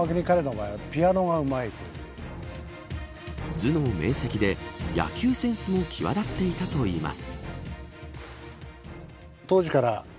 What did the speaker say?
頭脳明晰で野球センスも際立っていたといいます。